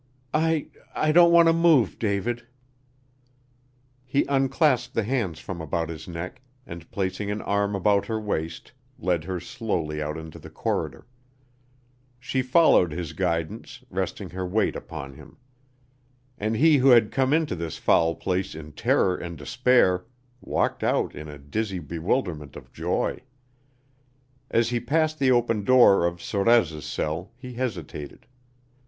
"I I don't want to move, David." He unclasped the hands from about his neck and, placing an arm about her waist, led her slowly out into the corridor. She followed his guidance, resting her weight upon him. And he who had come into this foul place in terror and despair walked out in a dizzy bewilderment of joy. As he passed the open door of Sorez' cell he hesitated.